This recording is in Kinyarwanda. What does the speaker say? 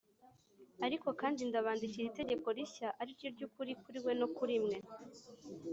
Ariko kandi ndabandikira itegeko rishya, ari ryo ry’ukuri kuri we no kuri mwe